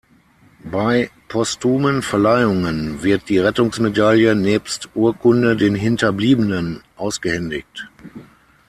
Bei postumen Verleihungen, wird die Rettungsmedaille nebst Urkunde den Hinterbliebenen ausgehändigt.